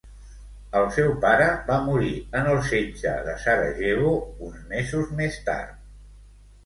El seu pare va morir en el setge de Sarajevo uns mesos més tard.